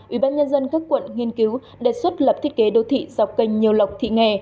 ủy ban nhân dân các quận nghiên cứu đề xuất lập thiết kế đô thị dọc kênh nhiêu lộc thị nghè